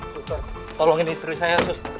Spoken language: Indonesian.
suster tolongin istri saya suster